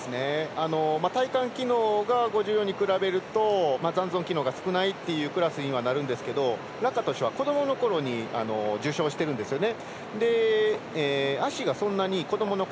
体幹機能が５４に比べると残存機能が少ないクラスにはなるんですがラカトシュは子どものことに受傷してるんですよね。